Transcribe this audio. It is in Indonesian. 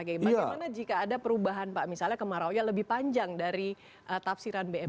bagaimana jika ada perubahan pak misalnya kemaraunya lebih panjang dari tafsiran bmk